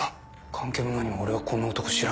関係も何も俺はこんな男知らない。